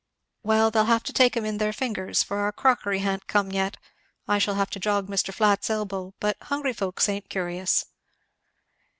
"Well, they'll have to take 'em in their fingers, for our crockery ha'n't come yet I shall have to jog Mr. Flatt's elbow but hungry folks ain't curious."